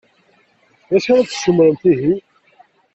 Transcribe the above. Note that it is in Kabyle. D acu ara d-tessumremt, ihi?